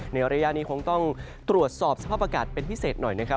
ในระยะนี้คงต้องตรวจสอบสภาพอากาศเป็นพิเศษหน่อยนะครับ